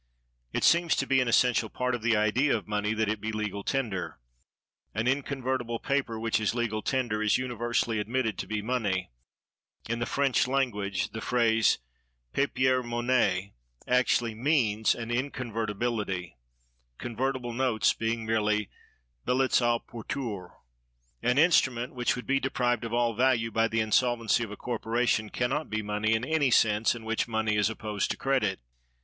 It seems to be an essential part of the idea of money that it be legal tender. An inconvertible paper which is legal tender is universally admitted to be money; in the French language the phrase papier monnaie actually means inconvertibility, convertible notes being merely billets à porteur. An instrument which would be deprived of all value by the insolvency of a corporation can not be money in any sense in which money is opposed to credit.